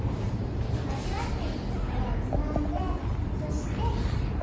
まじわっているところをつまんでそして。